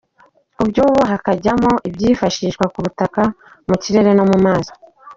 Ku by’ubu, hakajyamo ibyifashishwa ku butaka, mu kirere no mu mazi.